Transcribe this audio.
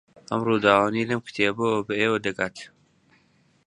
ئەم ڕووداوانەی لەم کتێبەوە بە ئێوە دەگات